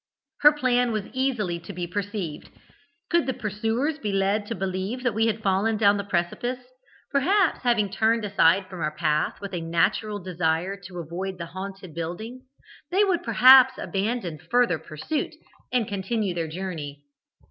Her plan was easily to be perceived. Could the pursuers be led to believe that we had fallen down the precipice, perhaps having turned aside from our path with a natural desire to avoid the haunted building, they would perhaps abandon further pursuit, and continue their journey.